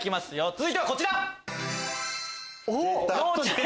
続いてはこちら。